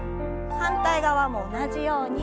反対側も同じように。